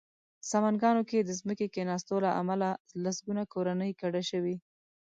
سمنګانو کې د ځمکې کېناستو له امله لسګونه کورنۍ کډه شوې